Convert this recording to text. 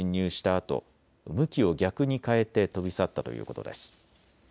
あと向きを逆に変えて飛び去ったということです。